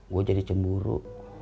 gue jadi cemburu